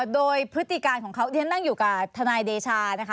โดยพฤติการของเขาที่ฉันนั่งอยู่กับทนายเดชานะคะ